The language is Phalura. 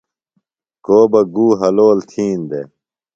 کو بہ گُو حلول تِھین دےۡ۔